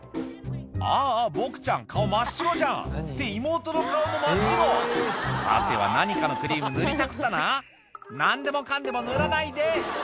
ああボクちゃん顔真っ白じゃんって妹の顔も真っ白さては何かのクリーム塗りたくったな何でもかんでも塗らないで！